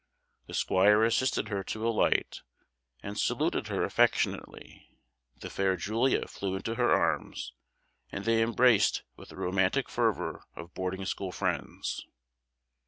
The squire assisted her to alight, and saluted her affectionately; the fair Julia flew into her arms, and they embraced with the romantic fervour of boarding school friends.